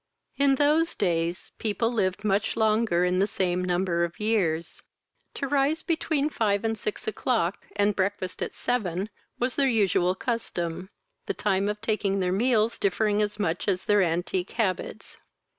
In those days people lived much longer in the same number of years; to rise between five and six o'clock, and breakfast at seven, was their usual custom, the time of taking their meals differing as much as their antique habits.